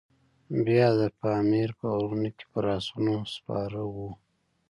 بیا د پامیر په غرونو کې پر آسونو سپاره وو.